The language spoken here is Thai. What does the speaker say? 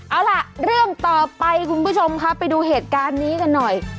เอาล่ะเรื่องต่อไปคุณผู้ชมครับไปดูเหตุการณ์นี้กันหน่อย